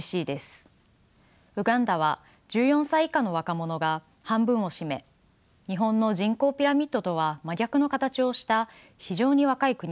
ウガンダは１４歳以下の若者が半分を占め日本の人口ピラミッドとは真逆の形をした非常に若い国です。